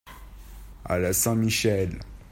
À la Saint-Michel.